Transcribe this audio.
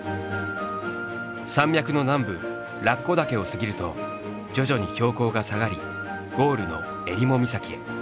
山脈の南部楽古岳を過ぎると徐々に標高が下がりゴールの襟裳岬へ。